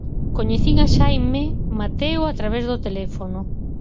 Coñecín a Xaime Mateo a través do teléfono.